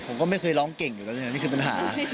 ผมก็ไม่เคยร้องเก่งอยู่แล้วใช่ไหมนี่คือปัญหา